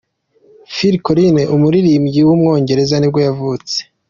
Phil Collins, umuririmbyi w’umwongereza nibwo yavutse.